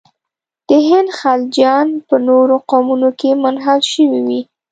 د هند خلجیان په نورو قومونو کې منحل شوي وي.